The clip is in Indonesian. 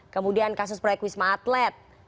kemudian kasus proyek wisma atlet